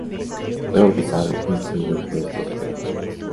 Fue bautizado e instruido por estos frailes.